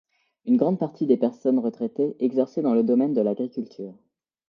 Une grande partie des personnes retraités exerçait dans le domaine de l'agriculture.